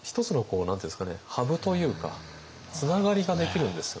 ハブというかつながりができるんですよね。